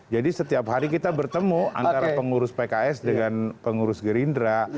jadi setiap hari kita bertemu antara pengurus pks dengan pengurus gerindra